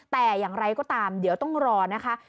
แต่อย่างไรก็ตามเดี๋ยวต้องรอนะคะ